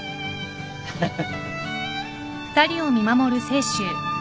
ハハハ。